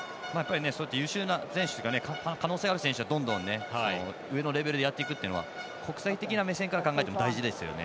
そうやって優秀な選手可能性のある選手が上のレベルでやっていくのは国際的な目線から考えても大事ですよね。